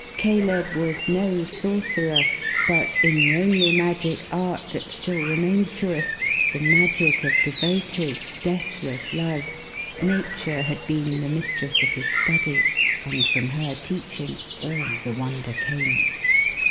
Caleb was no Sorcerer, but in the only magic art that still remains to us: the magic of devoted, deathless love: Nature had been the mistress of his study; and from her teaching, all the wonder came.